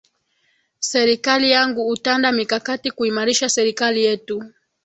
serikali yangu utanda mikakati kuimarisha serikali yetu